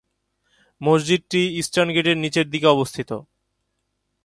মসজিদটি ইস্টার্ন গেটের নীচের দিকে অবস্থিত।